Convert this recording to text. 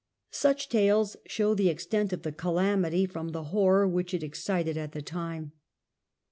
Such tales show the extent of the calamity from the horror which it excited at the time.